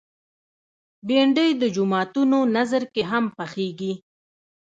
بېنډۍ د جوماتونو نذر کې هم پخېږي